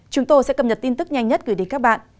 chúng tôi sẽ cập nhật tin tức nhanh nhất gửi đến các bạn